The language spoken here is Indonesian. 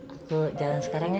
aku jalan sekarang ya